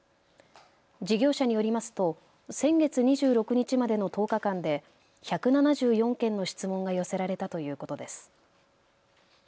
事業者によりますと先月２６日までの１０日間で１７４件の質問が寄せられたということです。